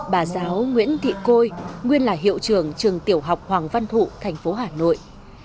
bà giáo nguyễn thị côi nguyên là hiệu trưởng trường tiểu học hoàng văn thụ thành phố hà nội